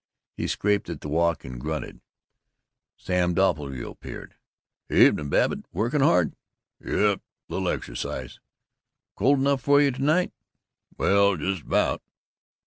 He scraped at the walk and grunted. Sam Doppelbrau appeared. "Evenin', Babbitt. Working hard?" "Yuh, lil exercise." "Cold enough for you to night?" "Well, just about."